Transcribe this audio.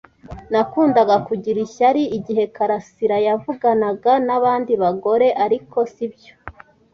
Nakundaga kugira ishyari igihe karasira yavuganaga nabandi bagore, ariko sibyo.